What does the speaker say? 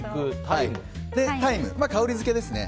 タイム、香りづけですね。